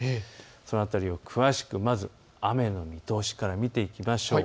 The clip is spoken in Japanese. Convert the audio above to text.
その辺りを詳しくまず雨の見通しから見ていきましょう。